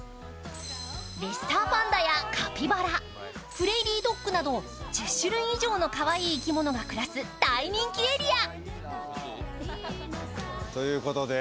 レッサーパンダやカピバラ、プレーリードッグなど１０種類以上のかわいい生き物が暮らす大人気エリア。